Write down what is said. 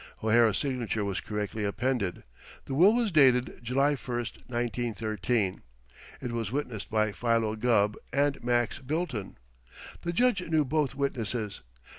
O'Hara's signature was correctly appended. The will was dated July 1, 1913. It was witnessed by Philo Gubb and Max Bilton. The Judge knew both witnesses.